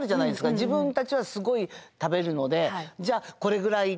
自分たちはすごい食べるのでじゃあこれぐらいって。